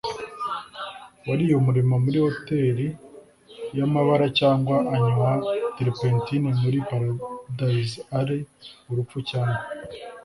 wariye umuriro muri hoteri yamabara cyangwa anywa turpentine muri paradise alley, urupfu, cyangwa